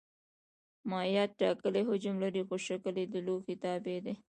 مایعات ټاکلی حجم لري خو شکل یې د لوښي تابع دی.